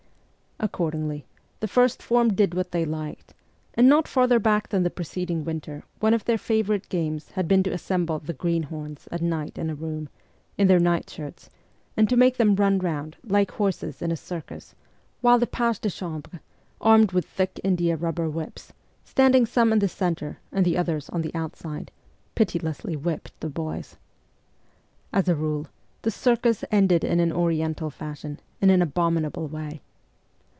Accordingly, the first form did what they liked ; and not farther back than the preceding winter one of their favourite games had been to assemble the ' greenhorns ' at night in a room, in their night shirts, and to make them run round, like horses in a circus, while the pages de chambre, armed with thick india rubber whips, THE COUPS OF PAGES 89 standing some in the centre and the others on the outside, pitilessly whipped the boys. As a rule the ' circus ' ended in an Oriental fashion, in an abominable way.